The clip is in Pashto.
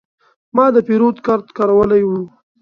ما د پیرود کارت کارولی و.